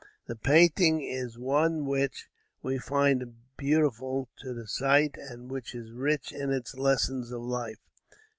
The painting is one which we find beautiful to the sight and which is rich in its lessons of life.